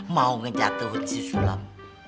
mau ngejatuh ke sulam